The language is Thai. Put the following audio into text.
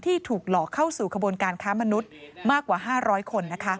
ถูกหลอกเข้าสู่ขบวนการค้ามนุษย์มากกว่า๕๐๐คน